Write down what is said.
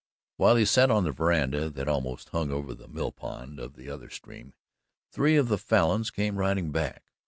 While he sat on the veranda that almost hung over the mill pond of the other stream three of the Falins came riding back.